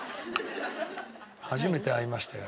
初めて会いましたよ